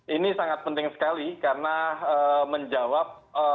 ini sangat penting sekali karena menjawab